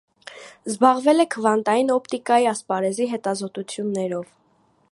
Զբաղվել է քվանտային օպտիկայի ասպարեզի հետազոտություններով։